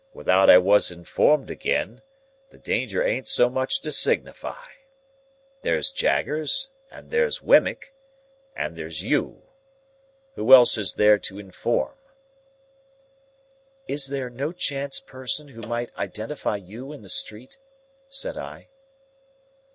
Without I was informed agen, the danger ain't so much to signify. There's Jaggers, and there's Wemmick, and there's you. Who else is there to inform?" "Is there no chance person who might identify you in the street?" said I.